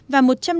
và một trường hợp